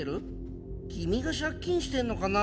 君が借金してるのかな？